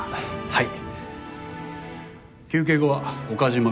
はい！